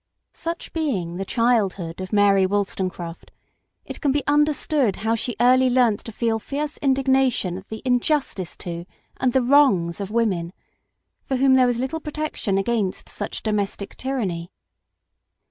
Such being the childhood of Mary Wollstonecraft, it can be understood how she early learnt to feel fierce indignation at the injustice to, and the wrongs of women, for whom there was little protection against such domestic tyranny.